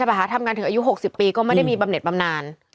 ทำงานถึงอายุ๖๐ปีก็ไม่ได้มีบำเน็ตบำนาน